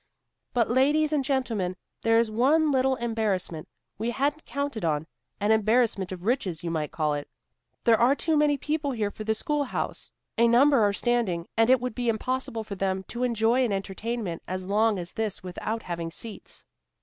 "But, Ladies and Gentlemen, there is one little embarrassment we hadn't counted on, an embarrassment of riches, you might call it. There are too many people here for the schoolhouse. A number are standing, and it would be impossible for them to enjoy an entertainment as long as this without having seats."